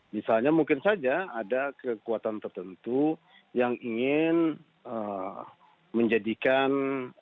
misalnya mungkin saja ada kekuatan tertentu yang ingin menjadikan